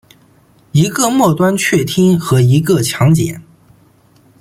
一个末端炔烃和一个强碱。